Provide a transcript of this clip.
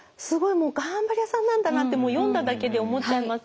もう頑張り屋さんなんだなって読んだだけで思っちゃいますね。